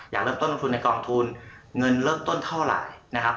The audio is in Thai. อยากเริ่มต้นลงทุนในกองทุนเงินเริ่มต้นเท่าไหร่นะครับ